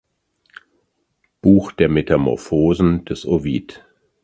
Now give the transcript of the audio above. Buch der "Metamorphosen" des Ovid.